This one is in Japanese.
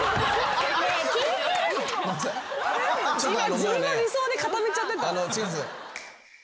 自分の理想で固めちゃってた？